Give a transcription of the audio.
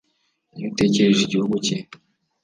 iyo utekereje igihugu cye